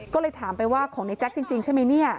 ก็เลยถามไปว่าของในแจ๊คจริงใช่ไหมเนี่ย